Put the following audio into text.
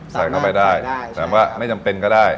ใส่เข้าไปได้แต่ว่าไม่จำเป็นก็ได้